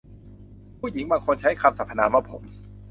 ผู้หญิงบางคนใช้คำสรรพนามว่าผม